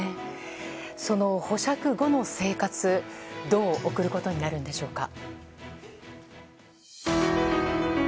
その保釈後の生活どう送ることになるんでしょうか。